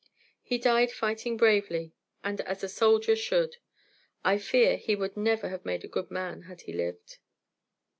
He died fighting bravely, and as a soldier should. I fear he would never have made a good man had he lived."